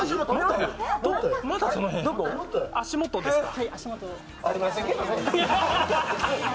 足元ですか。